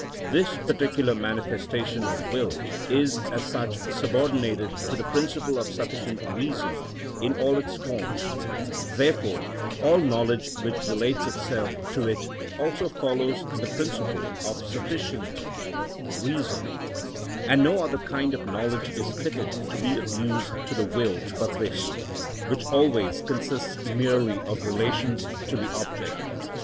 This particular manifestation of will is, as such, subordinated to the principle of sufficient reason in all its forms; therefore, all knowledge which relates itself to it also follows the principle of sufficient reason, and no other kind of knowledge is fitted to be of use to the will but this, which always consists merely of relations to the object.